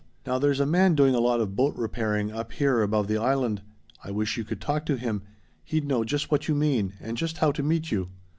Now there's a man doing a lot of boat repairing up here above the Island. I wish you could talk to him. He'd know just what you mean, and just how to meet you."